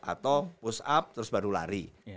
atau push up terus baru lari